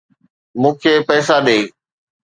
مون کي پئسا ڏي.